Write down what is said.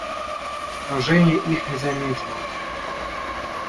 Но Женя их не заметила.